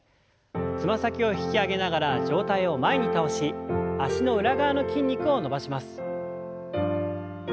つま先を引き上げながら上体を前に倒し脚の裏側の筋肉を伸ばします。